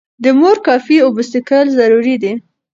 د مور کافي اوبه څښل ضروري دي.